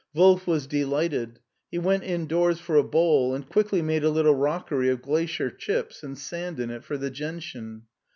Wolf was delighted. He went indoors for a bowl and quickly made a little rockery of glacier chips and sand in it for the gentian.